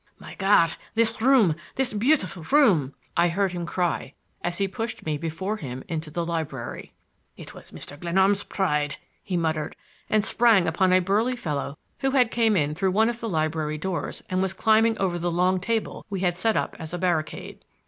"My God, this room—this beautiful room!" I heard him cry, as he pushed me before him into the library. "It was Mr. Glenarm's pride," he muttered, and sprang upon a burly fellow who had came in through one of the library doors and was climbing over the long table we had set up as a barricade.